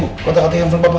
wuh kata kata yang belum papa